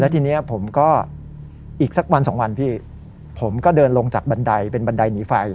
ทีนี้ผมก็อีกสักวันสองวันพี่ผมก็เดินลงจากบันไดเป็นบันไดหนีไฟ